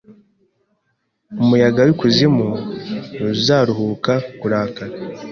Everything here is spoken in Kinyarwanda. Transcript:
Umuyaga w'ikuzimu ntuzaruhuka kurakara